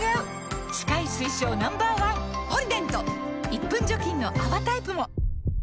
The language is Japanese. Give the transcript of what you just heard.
１分除菌の泡タイプも！